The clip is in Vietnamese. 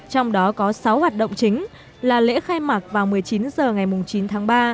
trong đó có sáu hoạt động chính là lễ khai mạc vào một mươi chín h ngày chín tháng ba